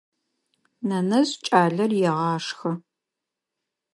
Нэнэжъ кӏалэр егъашхэ.